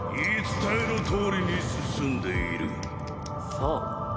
そう。